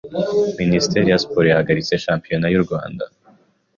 Minisiteri ya Siporo yahagaritse shampiyona y’u Rwanda..